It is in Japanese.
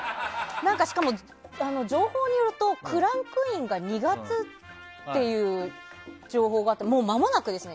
しかも、情報によるとクランクインが２月っていう情報があって、まもなくですね。